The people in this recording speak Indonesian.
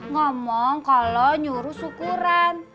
ngomong kalau nyuruh syukuran